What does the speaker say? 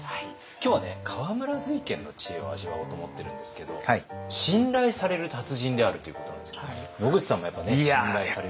今日はね河村瑞賢の知恵を味わおうと思ってるんですけど信頼される達人であるということなんですけど野口さんもやっぱね信頼される。